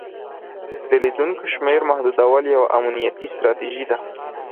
د لیدونکو شمیر محدودول یوه امنیتي ستراتیژي ده.